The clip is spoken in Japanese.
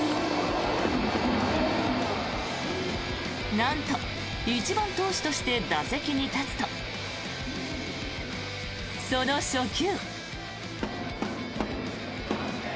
なんと１番投手として打席に立つとその初球。